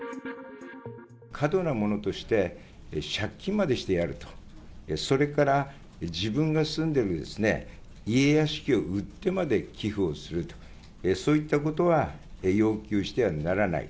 過度なものとして、借金までしてやると、それから自分が住んでる家、屋敷を売ってまで寄付をすると、そういったことは要求してはならない。